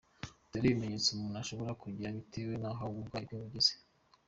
Dore ibimenyetso umuntu ashobora kugira bitewe n’aho uburwayi bwe bugeze :.